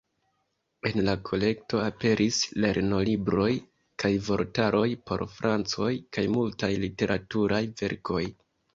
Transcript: En la kolekto aperis lernolibroj kaj vortaroj por francoj kaj multaj literaturaj verkoj.